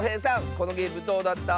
このゲームどうだった？